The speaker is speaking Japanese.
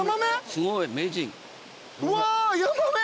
すごい。うわヤマメ！